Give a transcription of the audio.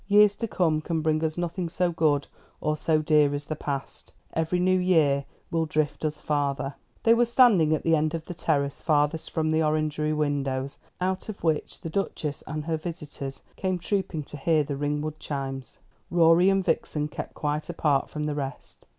"Years to come can bring us nothing so good or so dear as the past. Every new year will drift us farther." They were standing at the end of the terrace farthest from the orangery windows, out of which the Duchess and her visitors came trooping to hear the Ringwood chimes. Rorie and Vixen kept quite apart from the rest.